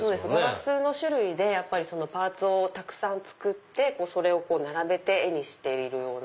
ガラスの種類でパーツをたくさん作ってそれを並べて絵にしている。